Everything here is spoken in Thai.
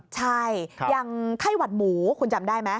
ใช่อย่างไข้หวัดหมูคุณจำได้ไหม